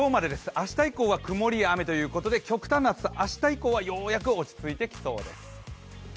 明日以降は曇りや雨ということで極端な暑さ、明日以降はようやく落ち着いてきそうです。